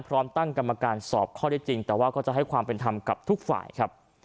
พร้อมตั้งกรรมการสอบข้อได้จริงแต่ว่าก็จะให้ความเป็นธรรมกับทุกฝ่ายครับ